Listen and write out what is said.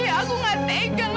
aku gak tegang